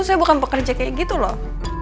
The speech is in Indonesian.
saya bukan pekerja kayak gitu loh